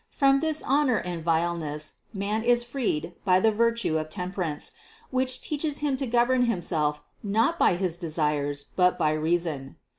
From this dishonor and vileness man is freed by the virtue of temperance, which teaches him to govern himself not by his desires, but by reason.